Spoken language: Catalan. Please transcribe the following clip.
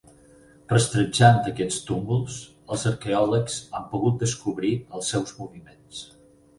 Rastrejant aquests túmuls els arqueòlegs han pogut descobrir els seus moviments.